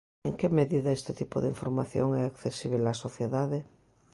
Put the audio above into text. En que medida este tipo de información é accesíbel á sociedade?